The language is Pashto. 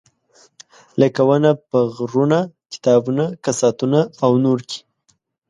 لکه ونه په غرونه، کتابونه، کساتونه او نور کې.